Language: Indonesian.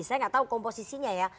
saya nggak tahu komposisinya ya